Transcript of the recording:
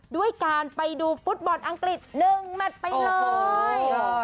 ด้วยการไปดูฟุตบอลอังกฤษ๑แมทไปเลย